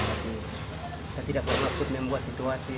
saya tidak berpikir membuat situasi